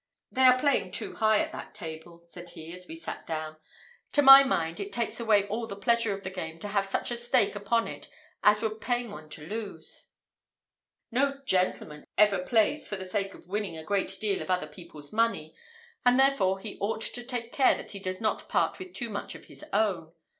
"They are playing too high at that table," said he, as we sat down. "To my mind, it takes away all the pleasure of the game to have such a stake upon it as would pain one to lose. No gentleman ever plays for the sake of winning a great deal of other people's money, and therefore he ought to take care that he does not part with too much of his own.